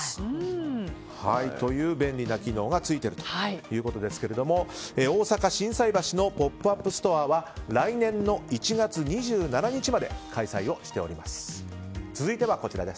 便利な機能がついているということですが大阪・心斎橋のポップアップストアは来年の１月２７日まで開催しております。